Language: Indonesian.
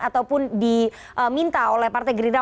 ataupun diminta oleh partai gerindra